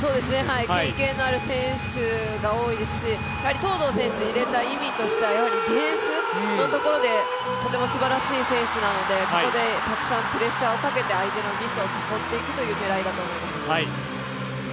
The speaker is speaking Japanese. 経験のある選手が多いですし、東藤選手を入れた意味というのはディフェンスのところでとてもすばらしい選手なので、ここでたくさんプレッシャーをかけて相手のミスを誘っていくという狙いだと思います。